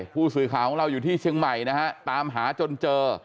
ผู้สื่อข่าวของเราอยู่ที่เชียงใหม่นะฮะตามหาจนเจอ